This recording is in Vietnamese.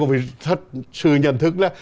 cũng phải thật sự nhận thức là